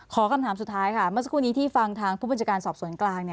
คำถามสุดท้ายค่ะเมื่อสักครู่นี้ที่ฟังทางผู้บัญชาการสอบสวนกลาง